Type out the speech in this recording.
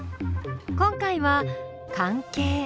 今回は「関係」。